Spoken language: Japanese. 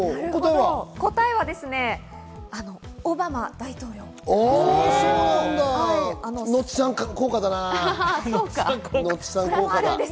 答えはオバマ大統領です。